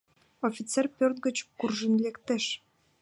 Офицер пӧрт гыч куржын лектеш.